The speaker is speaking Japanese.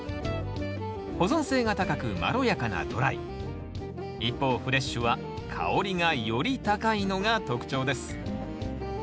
保存性が高くまろやかなドライ一方フレッシュは香りがより高いのが特徴です。